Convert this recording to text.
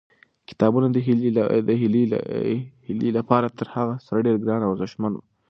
کتابونه د هیلې لپاره تر هر څه ډېر ګران او ارزښتمن وو.